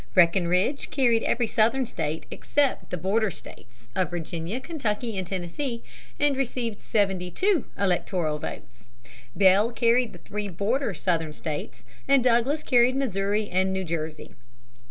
Breckenridge carried every Southern state except the "border states" of Virginia, Kentucky, and Tennessee, and received seventy two electoral votes. Bell carried the three "border" Southern states and Douglas carried Missouri and New Jersey.